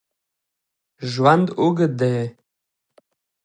ژوند اوږد دی